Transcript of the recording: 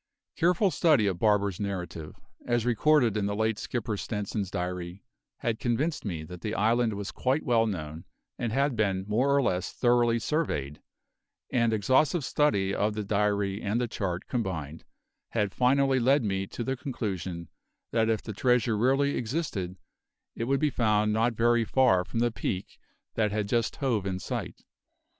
Careful study of Barber's narrative, as recorded in the late Skipper Stenson's diary, had convinced me that the island was quite well known and had been more or less thoroughly surveyed; and exhaustive study of the diary and the chart combined had finally led me to the conclusion that if the treasure really existed it would be found not very far from the peak that had just hove in sight.